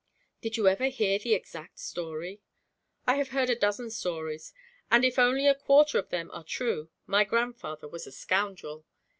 'Did you ever hear the exact story?' 'I have heard a dozen stories; and if only a quarter of them are true my grandfather was a scoundrel.